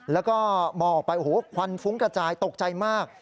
แล้วก็มองออกไปโอ้โหควันฟุ้งกระจายตกใจมาก